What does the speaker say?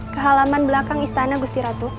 ke halaman belakang istana gusti ratu